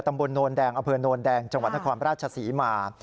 ตำบลโนรแดงอเภิรโนรแดงจังหวัดนครพระราชสีมา